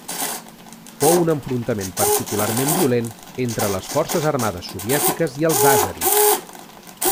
Fou un enfrontament particularment violent entre les forces armades soviètiques i els àzeris.